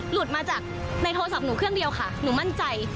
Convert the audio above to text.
หลุดมาจากในโทรศัพท์หนูเครื่องเดียวค่ะหนูมั่นใจ